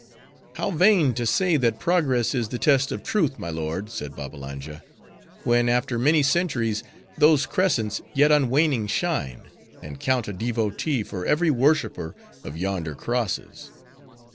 "How vain to say, that progress is the test of truth, my lord," said Babbalanja, "when, after many centuries, those crescents yet unwaning shine, and count a devotee for every worshiper of yonder crosses.